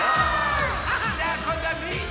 じゃあこんどはみんなで！